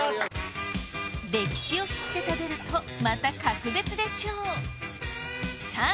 歴史を知って食べるとまた格別でしょうさあ